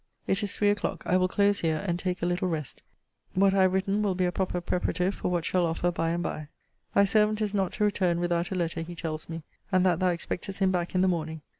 It is three o'clock. I will close here; and take a little rest: what I have written will be a proper preparative for what shall offer by and by. Thy servant is not to return without a letter, he tells me; and that thou expectest him back in the morning.